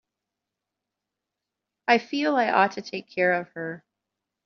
I feel I ought to take care of her.